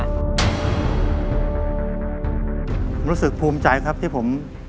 รู้สึกภูมิใจครับที่ผม